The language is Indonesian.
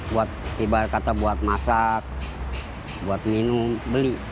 buat ibarat kata buat masak buat minum beli